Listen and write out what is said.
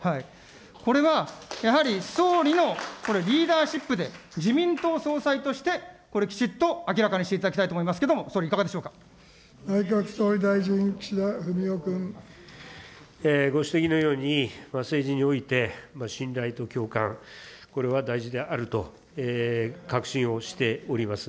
これはやはり総理のこれ、リーダーシップで、自民党総裁として、これ、きちっと明らかにしていただきたいと思いますけれども、総理、い内閣総理大臣、ご指摘のように、政治において、信頼と共感、これは大事であると確信をしております。